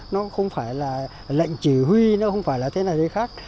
nó không phải là lệnh chỉ huy nó không phải là thế này thế khác